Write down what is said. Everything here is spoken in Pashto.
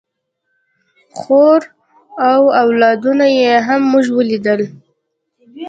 خور او اولادونه یې هم موږ ولیدل.